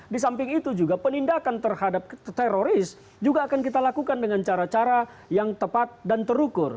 di samping itu juga penindakan terhadap teroris juga akan kita lakukan dengan cara cara yang tepat dan terukur